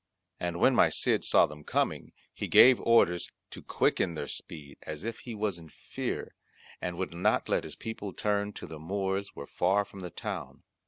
And when my Cid saw them coming he gave orders to quicken their speed, as if he was in fear, and would not let his people turn till the Moors were far from the town.